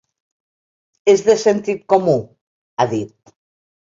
És de sentit comú, ha dit.